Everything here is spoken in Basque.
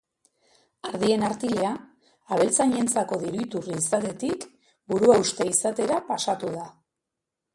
Ardien artilea, abeltzainentzako diru-iturri izatetik, buruhauste izatera pasatu da.